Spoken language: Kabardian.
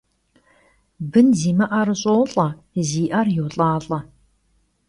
Bın zimı'er ş'olh'e, zi'er yolh'alh'e.